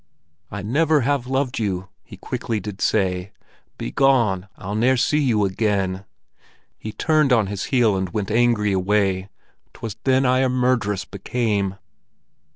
'I never have loved you,' he quickly did say; 'Begone! I'll ne'er see you again!' He turned on his heel and went angry away. 'Twas then I a murd'ress became."